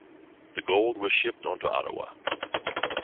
The gold was shipped on to Ottawa.